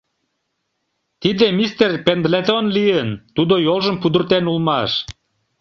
Тиде мистер Пендлетон лийын, тудо йолжым пудыртен улмаш.